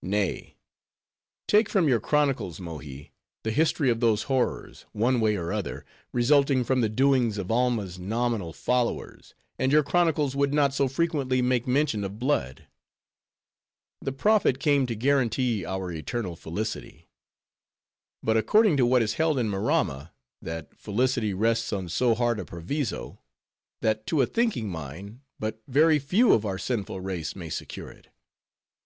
Nay: take from your chronicles, Mohi, the history of those horrors, one way or other, resulting from the doings of Alma's nominal followers, and your chronicles would not so frequently make mention of blood. The prophet came to guarantee our eternal felicity; but according to what is held in Maramma, that felicity rests on so hard a proviso, that to a thinking mind, but very few of our sinful race may secure it.